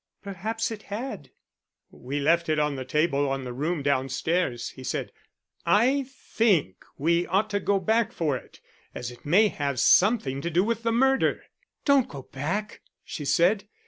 "Perhaps it had." "We left it on the table in the room downstairs," he said. "I think we ought to go back for it, as it may have something to do with the murder." "Don't go back," she said.